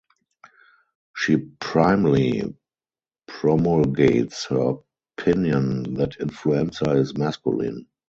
She primly promulgates her opinion that influenza is masculine.